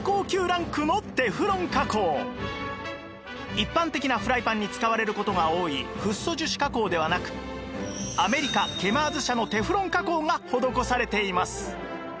一般的なフライパンに使われる事が多いフッ素樹脂加工ではなくアメリカケマーズ社のテフロン加工が施されています